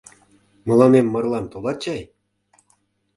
Мыланем марлан толат чай?